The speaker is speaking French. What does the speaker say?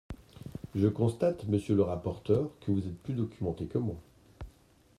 Je constate, monsieur le rapporteur, que vous êtes plus documenté que moi.